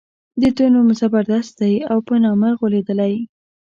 د ده نوم زبردست دی او په نامه غولېدلی.